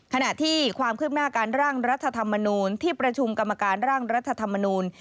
ขณะที่ความคืบหน้าการร่างรัฐธรรมนูลที่ประชุมกรรมการร่างรัฐธรรมนูล